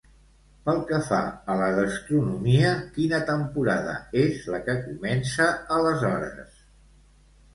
Pel que fa a la gastronomia, quina temporada és la que comença aleshores?